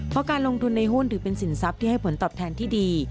เพราะการลงทุนในหุ้นถือเป็นสินทรัพย์ที่ให้ผลตอบแทนที่ดี